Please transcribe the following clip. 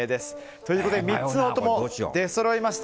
ということで３つのお供でそろいました。